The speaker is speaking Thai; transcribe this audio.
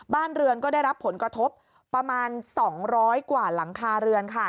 บ้านเรือนก็ได้รับผลกระทบประมาณ๒๐๐กว่าหลังคาเรือนค่ะ